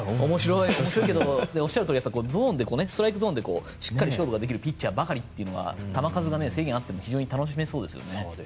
面白いけどおっしゃるとおりストライクゾーンでしっかり勝負ができるピッチャーばかりというのは球数制限があっても非常に楽しめそうですよね。